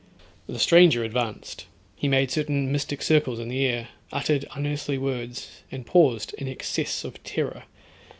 The stranger advanced; he made certain mystic circles in the air, uttered unearthly words, and paused in excess of terror.